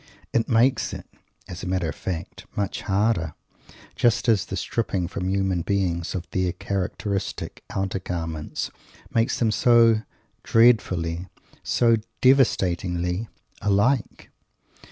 It makes it, as a matter of fact, much harder, just as the stripping from human beings of their characteristic "outer garments" makes them so dreadfully, so devastatingly, alike!